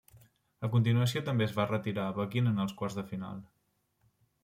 A continuació també es va retirar a Pequín en els quarts de final.